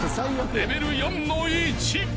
［レベル４の１］